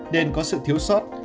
nên có sự thiếu sót